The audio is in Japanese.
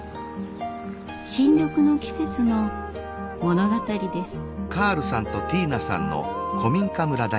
新緑の季節の物語です。